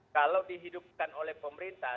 kalau dihidupkan oleh pemerintah